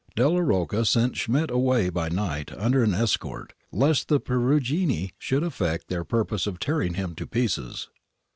Delia Rocca sent Schmidt away by night under an escort, lest the Perugini should effect their purpose of tearing him to pieces.